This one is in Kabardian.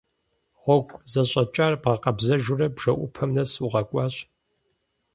Гъуэгу зэщӀэкӀар бгъэкъэбзэжурэ, бжэӀупэм нэс укъэкӀуащ.